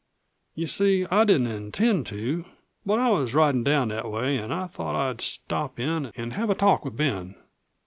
You see, I didn't intend to, but I was ridin' down that way an' I thought I'd stop in an' have a talk with Ben."